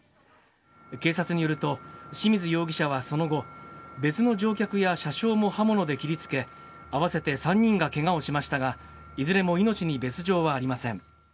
警察によると清水容疑者はその後、別の乗客や車掌も刃物で切りつけ、合わせて３人がけがをしましたが、いずれも命に別状はありません。